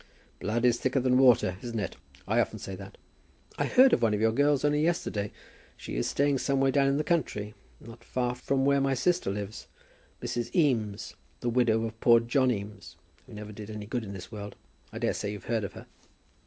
"Blood is thicker than water; isn't it? I often say that. I heard of one of your girls only yesterday. She is staying somewhere down in the country, not far from where my sister lives Mrs. Eames, the widow of poor John Eames, who never did any good in this world. I daresay you've heard of her?"